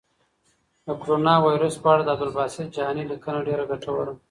د کرونا وېروس په اړه د عبدالباسط جهاني لیکنه ډېره ګټوره وه.